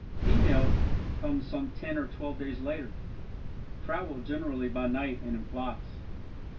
Female comes some ten or twelve days later travel generally by night and in flocks.